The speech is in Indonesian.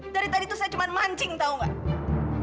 dari tadi tuh saya cuma mancing tahu nggak